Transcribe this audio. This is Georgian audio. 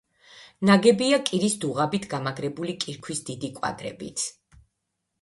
ნაგებია კირის დუღაბით გამაგრებული კირქვის დიდი კვადრებით.